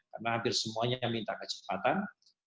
karena hampir semuanya minta kecepatan